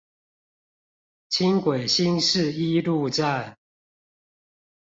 輕軌新市一路站